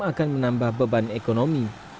akan menambah beban ekonomi